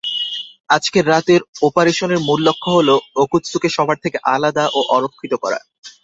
আজকের রাতের অপারেশনের মূল লক্ষ্য হলো ওকোৎসুকে সবার থেকে আলাদা ও অরক্ষিত করা।